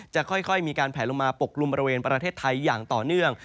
จะค่อยมีการแผลลงมาปกกลุ่มบริเวณประเทศไทยอย่างต่อเนื่อง